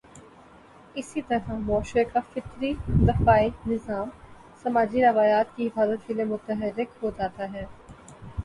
اسی طرح معاشرے کا فطری دفاعی نظام سماجی روایات کی حفاظت کے لیے متحرک ہو جاتا ہے۔